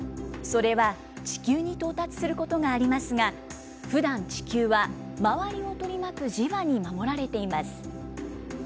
それは地球に到達することがありますが、ふだん地球は周りを取り巻く磁場に守られています。